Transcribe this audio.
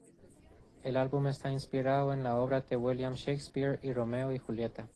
El álbum está inspirado en la obra de William Shakespeare Romeo y Julieta.